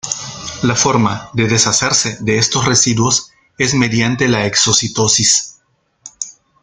La forma de deshacerse de estos residuos es mediante la exocitosis.